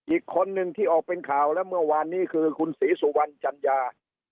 อีกคนนึงที่ออกเป็นข่าวแล้วเมื่อวานนี้คือคุณศรีสุวรรณจัญญา